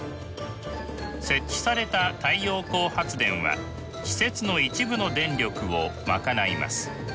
設置された太陽光発電は施設の一部の電力を賄います。